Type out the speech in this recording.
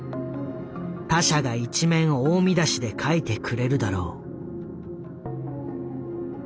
他社が一面大見出しで書いてくれるだろう」。